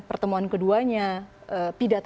pertemuan keduanya pidato